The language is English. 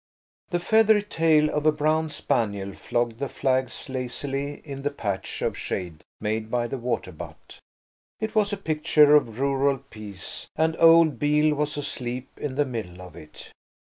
The feathery tail of a brown spaniel flogged the flags lazily in the patch of shade made by the water butt. It was a picture of rural peace, and old Beale was asleep in the middle of it.